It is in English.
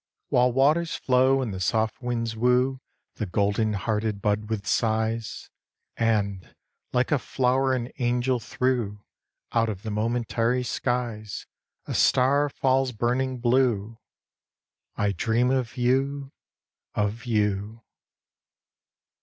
II. While waters flow, and soft winds woo The golden hearted bud with sighs; And, like a flower an angel threw, Out of the momentary skies A star falls burning blue, I dream of you, of you.